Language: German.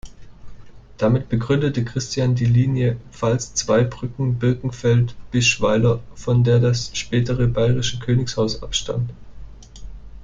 Damit begründete Christian die Linie Pfalz-Zweibrücken-Birkenfeld-Bischweiler, von der das spätere bayerische Königshaus abstammt.